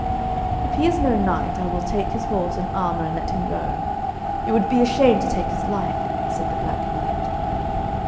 'If he is no knight, I will take his horse and armour, and let him go. It would be a shame to take his life,' said the Black Knight.